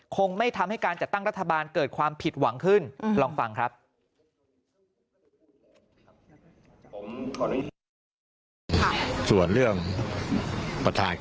คงไม่ทำให้การจะตั้งรัฐบาลเกิดความผิดหวังขึ้น